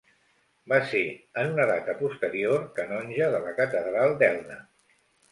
Va ser, en una data posterior, canonge de la catedral d'Elna.